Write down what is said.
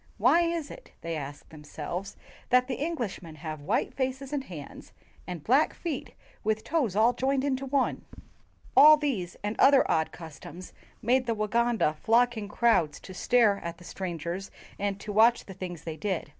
"Why is it," they asked themselves, "that the Englishmen have white faces and hands and black feet with toes all joined into one?" All these and other odd customs made the Waganda flock in crowds to stare at the strangers and to watch the things they did.